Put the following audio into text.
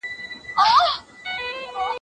زه اوږده وخت د سبا لپاره د لغتونو تمرين کوم!؟